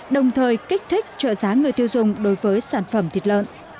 đồng thời kích thích trợ giá người tiêu dùng đối với sản phẩm thịt lợn